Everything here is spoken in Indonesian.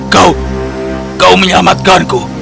kau kau menyelamatkanku